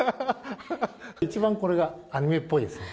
一番これがアニメっぽいですね。